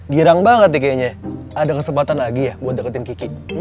girang banget nih kayaknya ada kesempatan lagi ya buat deketin kiki